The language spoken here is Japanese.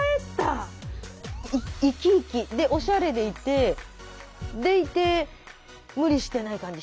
生き生きでおしゃれでいてでいて無理してない感じ